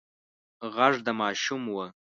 غږ د ماشوم و.